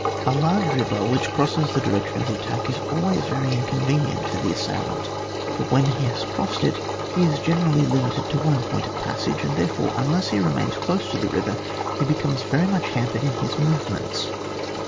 A LABGB river which crosses the direction of the attack is always very in convenient for the assailant: for when he has crossed it ho is generally limited to one point of passage, and, therefore, unless he remains close to the river he becomes very much hampered in his movements.